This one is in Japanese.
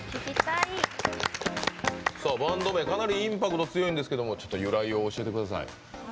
バンド名、かなりインパクト強いんですけど由来を教えてください。